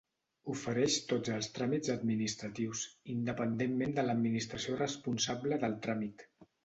Ofereix tots els tràmits administratius, independentment de l'administració responsable del tràmit.